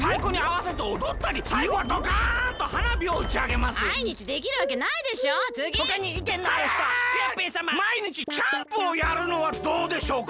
まいにちキャンプをやるのはどうでしょうか？